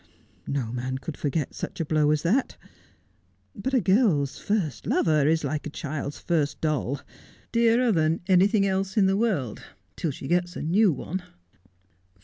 No man could forget such a blow as that. But a girl's first lover is like a child's first doll — dearer than anything else in the world, till she gets a new one.'